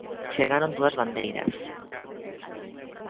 Chegaron dúas bandeiras.